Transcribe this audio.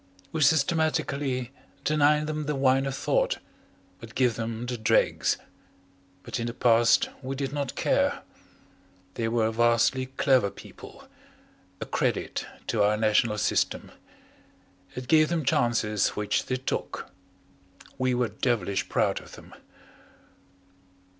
We systematically deny them the wine of thought, but give them the dregs. But in the past we did not care; they were vastly clever people, a credit to our national system. It gave them chances which they took. We were devilish proud of them.